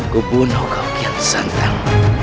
kubunuh kau kian santan